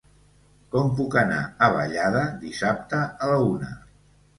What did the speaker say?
Com puc anar a Vallada dissabte a la una?